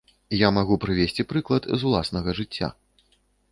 Я магу прывесці прыклад з уласнага жыцця.